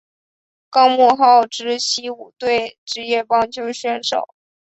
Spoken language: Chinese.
高木浩之西武队职业棒球选手。